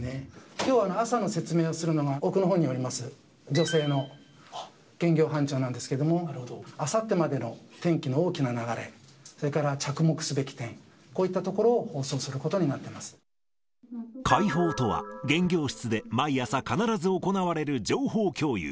きょうの朝の説明をするのが奥のほうにおります、女性の現業班長なんですけど、あさってまでの天気の大きな流れ、それから着目すべき点、こういったところを放送することになって会報とは、現業室で毎朝必ず行われる情報共有。